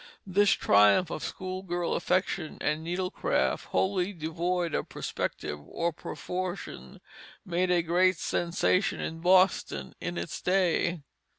This triumph of school girl affection and needle craft, wholly devoid of perspective or proportion, made a great sensation in Boston, in its day.